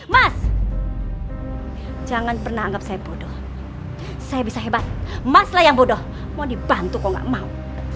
mas jangan pernah anggap saya bodoh saya bisa hebat maslah yang bodoh mau dibantu kok gak mau